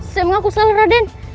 saya mengaku salah raden